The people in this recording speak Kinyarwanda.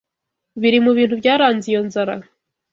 biri mu bintu byaranze iyo nzara